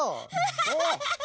ハハハハハ！